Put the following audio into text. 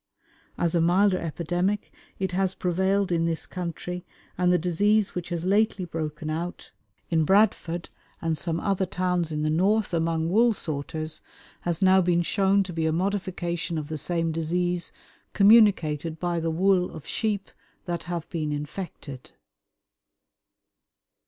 As a milder epidemic it has prevailed in this country, and the disease which has lately broken out in Bradford and some other towns in the north among wool sorters, has now been shown to be a modification of the same disease communicated by the wool of sheep that have been infected.